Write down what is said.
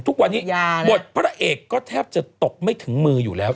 ทุกวันนี้บทพระเอกก็แทบจะตกไม่ถึงมืออยู่แล้ว